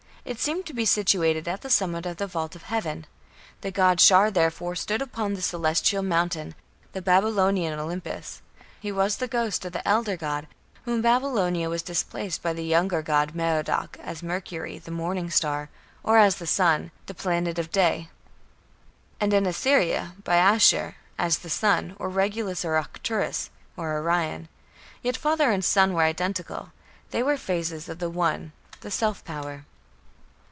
It seemed to be situated at the summit of the vault of heaven. The god Shar, therefore, stood upon the Celestial mountain, the Babylonian Olympus. He was the ghost of the elder god, who in Babylonia was displaced by the younger god, Merodach, as Mercury, the morning star, or as the sun, the planet of day; and in Assyria by Ashur, as the sun, or Regulus, or Arcturus, or Orion. Yet father and son were identical. They were phases of the One, the "self power".